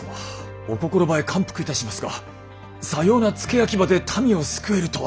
お心ばえ感服いたしますがさような付け焼き刃で民を救えるとは。